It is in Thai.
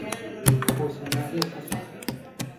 โภชนเวชศาสตร์